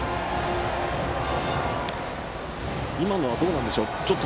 今のはどうでしょう。